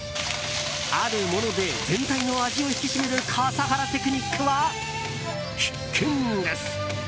あるもので全体の味を引き締める笠原テクニックは必見です。